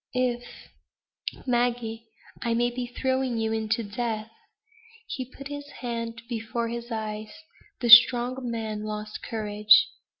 "If Maggie, I may be throwing you in to death." He put his hand before his eyes. The strong man lost courage.